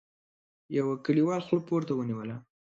يوه کليوال خوله پورته ونيوله: